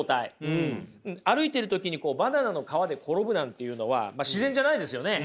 歩いている時にバナナの皮で転ぶなんていうのは自然じゃないですよね。